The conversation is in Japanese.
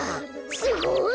すごい！